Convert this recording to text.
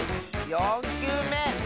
４きゅうめ。